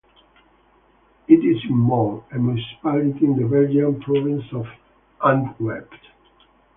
It is in Mol, a municipality in the Belgian province of Antwerp.